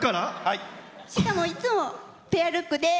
しかも、いつもペアルックです。